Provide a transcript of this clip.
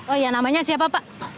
oh ya namanya siapa pak